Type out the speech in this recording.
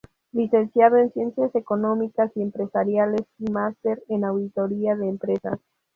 Licenciado en Ciencias Económicas y Empresariales y máster en Auditoría de Empresas.